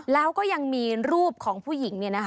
แล้วก็ยังมีรูปของผู้หญิง